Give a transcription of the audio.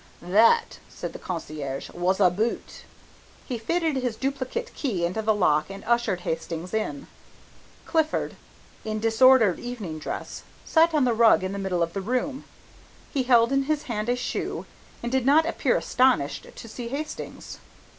"That," said the concierge, "was a boot." He fitted his duplicate key into the lock and ushered Hastings in. Clifford, in disordered evening dress, sat on the rug in the middle of the room. He held in his hand a shoe, and did not appear astonished to see Hastings.